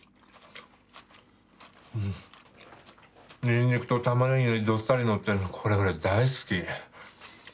ニンニクとタマネギがどっさりのってるのこれ俺大好き。